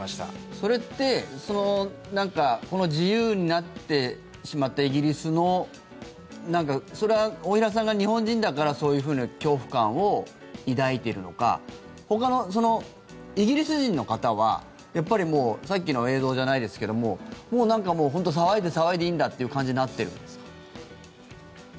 それって自由になってしまったイギリスのそれは大平さんが日本人だからそういうふうな恐怖感を抱いてるのかほかのイギリス人の方はさっきの映像じゃないですけどももう騒いでいいんだという感じになってるんですか？